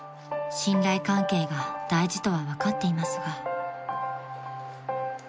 ［信頼関係が大事とは分かっていますが］